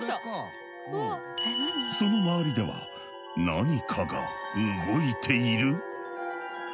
その周りでは何かが動いている。